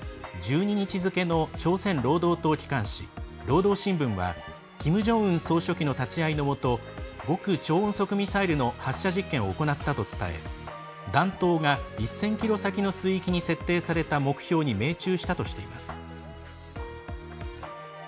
１２日付の朝鮮労働党機関紙労働新聞はキム・ジョンウン総書記の立ち会いのもと極超音速ミサイルの発射実験を行ったと伝え弾頭が１０００ｋｍ先の水域に設定された目標に命中したとしています。